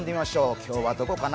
今日はどこかな？